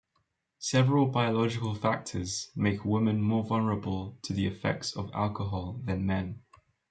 Several biological factors make women more vulnerable to the effects of alcohol than men.